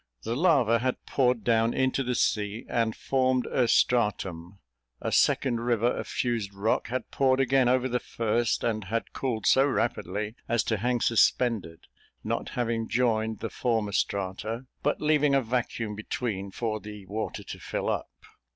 The lava had poured down into the sea, and formed a stratum; a second river of fused rock had poured again over the first, and had cooled so rapidly as to hang suspended, not having joined the former strata, but leaving a vacuum between for the water to fill up.